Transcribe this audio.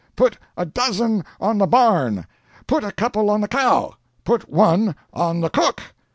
Put a dozen on the barn! Put a couple on the cow! Put one on the cook!